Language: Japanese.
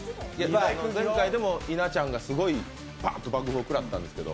前回、稲ちゃんがパッと爆風を食らったんですけど。